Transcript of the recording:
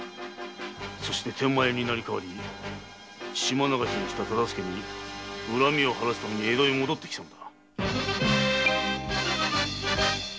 そして天満屋に成り代わり“島流し”にした忠相に恨みを晴らすために江戸へ戻ってきたのだ。